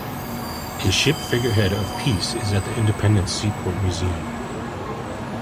A ship figurehead of "Peace" is at the Independence Seaport Museum.